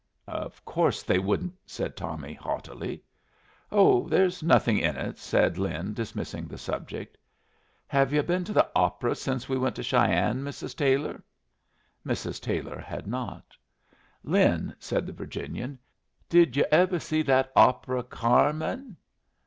"Of course they wouldn't," said Tommy, haughtily. "Oh, there's nothing in it," said Lin, dismissing the subject. "Have yu' been to the opera since we went to Cheyenne, Mrs. Taylor?" Mrs. Taylor had not. "Lin," said the Virginian, "did yu ever see that opera Cyarmen?"